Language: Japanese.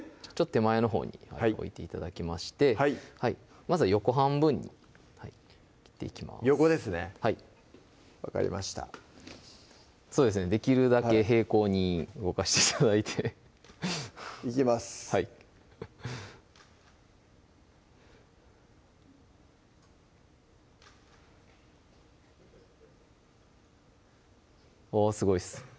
手前のほうに置いて頂きましてまずは横半分に切っていきます横ですねはい分かりましたできるだけ平行に動かして頂いていきますはいわすごいです